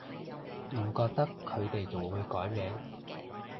唔覺得佢哋仲會改名